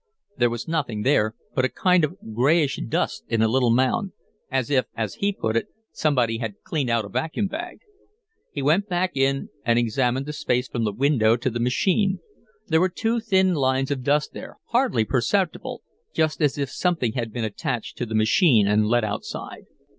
There was nothing there but a kind of grayish dust in a little mound as if, as he put it, 'somebody had cleaned out a vacuum bag'. He went back in and examined the space from the window to the machine; there were two thin lines of dust there, hardly perceptible, just as if something had been attached to the machine and led outside.